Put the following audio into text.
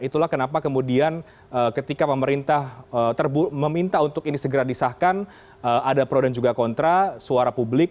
itulah kenapa kemudian ketika pemerintah meminta untuk ini segera disahkan ada pro dan juga kontra suara publik